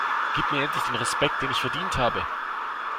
Gib mir endlich den Respekt den ich verdient habe!